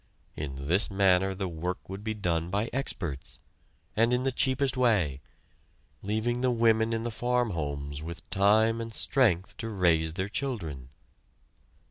In this manner the work would be done by experts, and in the cheapest way, leaving the women in the farm homes with time and strength to raise their children.